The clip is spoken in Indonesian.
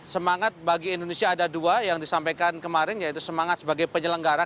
semangat bagi indonesia ada dua yang disampaikan kemarin yaitu semangat sebagai penyelenggara